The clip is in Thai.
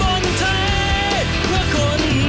โปรดติดตามตอนต่อไป